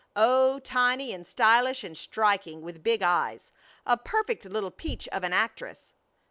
"Oh, tiny and stylish and striking, with big eyes. A perfect little peach of an actress."